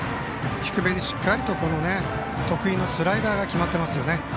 低めにしっかり得意のスライダーが決まってます。